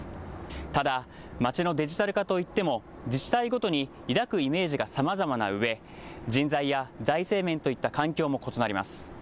ただ、まちのデジタル化といっても自治体ごとに抱くイメージがさまざまなうえ、人材や財政面といった環境も異なります。